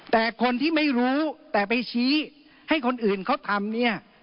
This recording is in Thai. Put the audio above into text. แต่คนที่ไม่รู้แต่ไปชี้ให้คนอื่นเขาทำเนี่ย